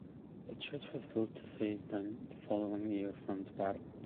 The church was built to save them the following year from the battle.